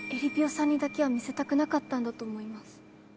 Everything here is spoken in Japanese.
さんにだけは見せたくなかったんだと思います